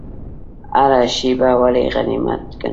هره شیبه ولې غنیمت وګڼو؟